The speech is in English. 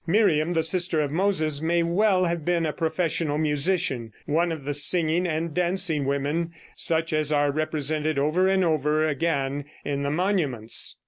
Miriam, the sister of Moses, may well have been a professional musician, one of the singing and dancing women, such as are represented over and over again in the monuments.